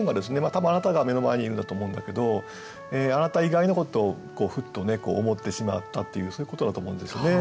多分「あなた」が目の前にいるんだと思うんだけど「あなた」以外のことをふっと思ってしまったっていうそういうことだと思うんですね。